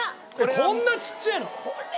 こんなちっちぇえの！？